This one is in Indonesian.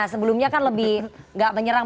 sebelumnya kan lebih gak menyerang